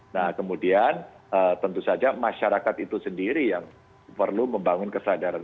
nah kemudian tentu saja masyarakat itu sendiri yang perlu membangun kesadaran